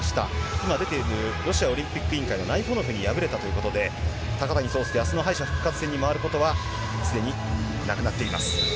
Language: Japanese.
今出ている、ロシアオリンピック委員会のナイフォノフに敗れたということで、高谷惣亮、あすの敗者復活戦に回ることは、すでになくなっています。